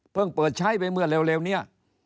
เปิดใช้ไปเมื่อเร็วเนี่ย